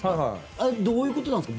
あれ、どういうことなんですか？